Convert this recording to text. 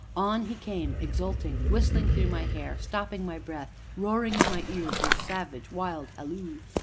On he came, exulting, whistling through my hair, stopping my breath, roaring in my ears his savage, wild halloo!